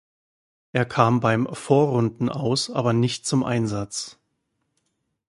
Er kam beim Vorrunden-Aus aber nicht zum Einsatz.